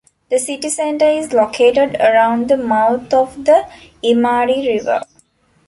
The city center is located around the mouth of the Imari River.